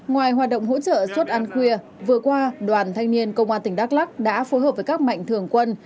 ngoài hoạt động hỗ trợ suất ăn khuya vừa qua đoàn thanh niên công an tỉnh đắk lắc đã phối hợp với các mạnh thường quân